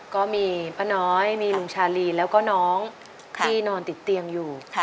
ก็มีป้าน้อยมีลุงชาลีแล้วก็น้องที่นอนติดเตียงอยู่